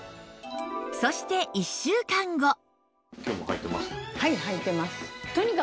そして１週間後